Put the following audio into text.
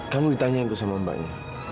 kamu ditanya itu sama mbaknya